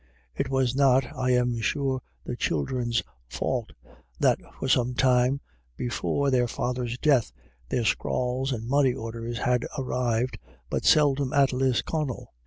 It was not, I am sure, " the childer's " fault that for some time before their father's death their scrawls and money orders had arrived but seldom at Lisconnel.